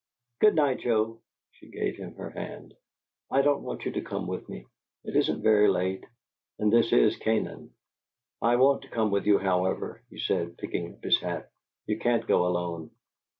"Good night, Joe." She gave him her hand. "I don't want you to come with me. It isn't very late and this is Canaan." "I want to come with you, however," he said, picking up his hat. "You can't go alone."